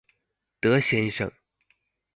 德先生